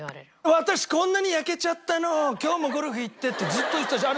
「私こんなに焼けちゃったの今日もゴルフ行って」ってずっと言ってたじゃん。